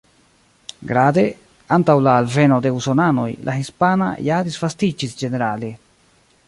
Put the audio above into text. Grade, antaŭ la alveno de Usonanoj, la Hispana ja disvastiĝis ĝenerale.